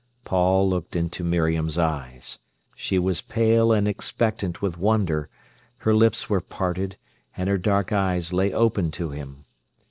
Paul looked into Miriam's eyes. She was pale and expectant with wonder, her lips were parted, and her dark eyes lay open to him.